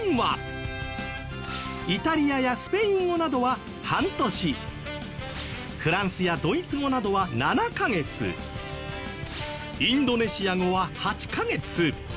イタリアやスペイン語などは半年フランスやドイツ語などは７カ月インドネシア語は８カ月